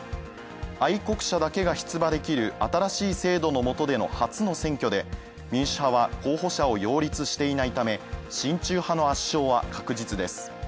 愛国者だけが出馬できる新しい制度の下での初の選挙で民主派は候補者を擁立していないため、親中派の圧勝は確実です。